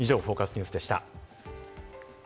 ニュースでした。